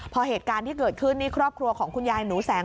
พอเหตุการณ์ที่เกิดขึ้นนี่ครอบครัวของคุณยายหนูแสง